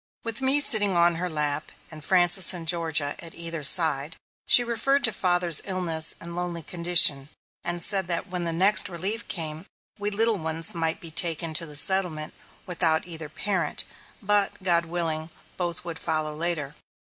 With me sitting on her lap, and Frances and Georgia at either side, she referred to father's illness and lonely condition, and said that when the next "Relief" came, we little ones might be taken to the settlement, without either parent, but, God willing, both would follow later.